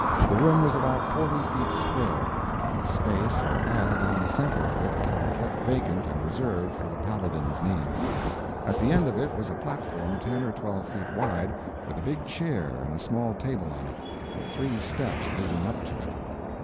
The room was about forty feet square, and a space or aisle down the center of it had been kept vacant and reserved for the Paladin's needs. At the end of it was a platform ten or twelve feet wide, with a big chair and a small table on it, and three steps leading up to it.